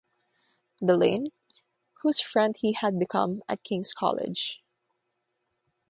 Delane, whose friend he had become at King's College.